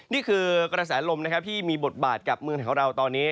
นี่คือกระแสลมที่มีบทบาทกับเมืองแถวเราตอนนี้